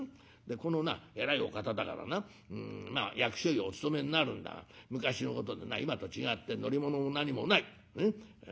「でこのな偉いお方だからな役所にお勤めになるんだが昔のことでな今と違って乗り物も何もない。